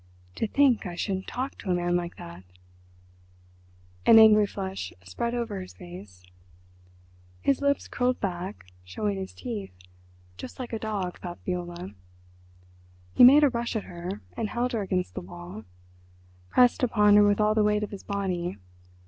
"To think I should talk to a man like that!" An angry flush spread over his face—his lips curled back, showing his teeth—just like a dog, thought Viola. He made a rush at her, and held her against the wall—pressed upon her with all the weight of his body.